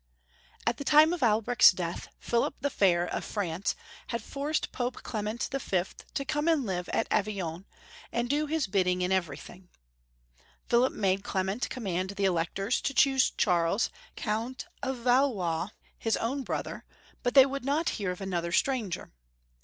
AT the time of Albrecht's death, Philip the Fair of France had forced Pope Clement V. to come to live at Avignon, and do his bidding in everything. Philip made Clement command the Electors to choose Charles, Coimt of Valois, his own brother, but they would not hear of another stranger.